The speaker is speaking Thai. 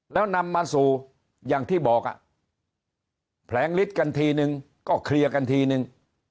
แล้วนำมาสู่อย่างที่บอกอ่ะแผลงฤทธิ์กันทีนึงก็เคลียร์กันทีนึง